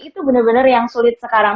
itu benar benar yang sulit sekarang